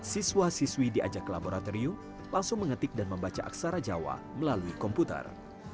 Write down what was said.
siswa siswi diajak ke laboratorium langsung mengetik dan membaca aksara jawa melalui komputer